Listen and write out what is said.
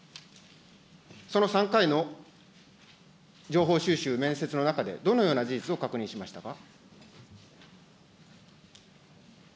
その３回の情報収集、面接の中で、どのような事実を確認しましたか。